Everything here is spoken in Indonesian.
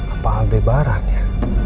apa hal bebarannya